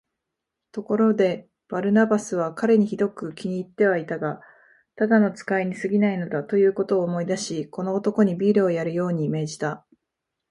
ところで、バルナバスは彼にひどく気に入ってはいたが、ただの使いにすぎないのだ、ということを思い出し、この男にビールをやるように命じた。